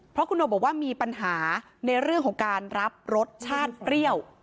เพราะคุณโนบอกว่ามีปัญหาในเรื่องของการรับรสชาติเปรี้ยว